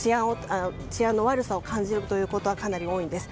治安の悪さを感じることはかなり多いです。